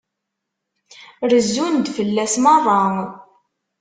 Rezzun-d fell-as merra.